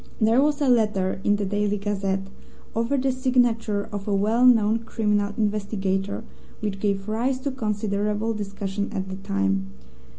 There was a letter in the Daily Gazette, over the signature of a well known criminal investigator, which gave rise to considerable discussion at the time.